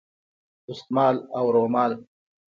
دستمال او رومال